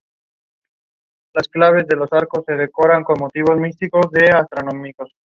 De mayoría católica, sufrió asedios y ocupaciones durante la Guerra de los Ochenta Años.